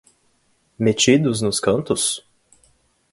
Metidos nos cantos?